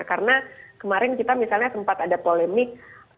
karena kemarin kita misalnya sempat ada polemik